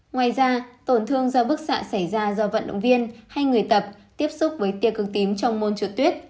ngoài ra tổn thương do bức xạ xảy ra do vận động viên hay người tập tiếp xúc với tia cực tím trong môn trượt tuyết